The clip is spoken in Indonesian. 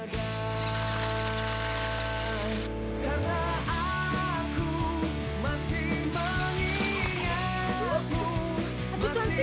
kecil banget terus ya